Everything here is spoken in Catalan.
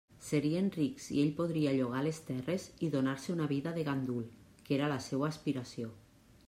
Serien rics i ell podria llogar les terres i donar-se una vida de gandul, que era la seua aspiració.